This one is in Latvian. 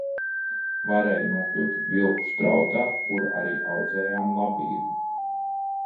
Varēja nokļūt Vilku strautā, kur arī audzējām labību.